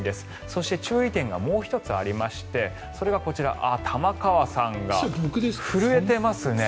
そして注意点がもう１つありましてそれがこちら玉川さんが震えてますね。